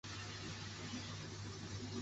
明矾石属于硫酸盐矿物。